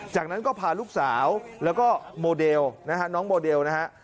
จากนั้นก็พาลูกสาวแล้วก็โมเดลนะฮะน้องโมเดลนะฮะ